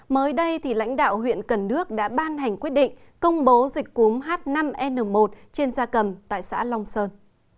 mới đây lãnh đạo huyện cần đước đã ban hành quyết định công bố dịch cúm h năm n một trên gia cầm tại xã long sơn